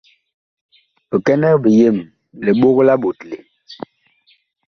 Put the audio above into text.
Bikɛnɛg biyem, liɓog la ɓotle.